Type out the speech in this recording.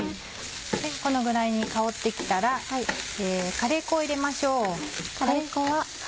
このぐらいに香って来たらカレー粉を入れましょう。